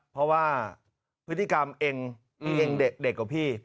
เพราะว่าพฤติกรรมเองเด็กกว่าพี่